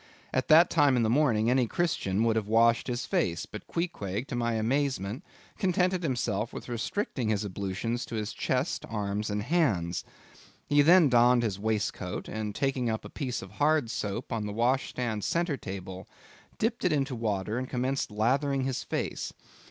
At that time in the morning any Christian would have washed his face; but Queequeg, to my amazement, contented himself with restricting his ablutions to his chest, arms, and hands. He then donned his waistcoat, and taking up a piece of hard soap on the wash stand centre table, dipped it into water and commenced lathering his face.